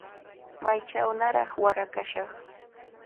Maychawnaraq wara kashaq.